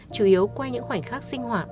chủ yếu quay những khoảnh khắc sinh hoạt